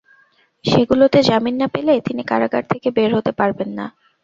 সেগুলোতে জামিন না পেলে তিনি কারাগার থেকে বের হতে পারবেন না।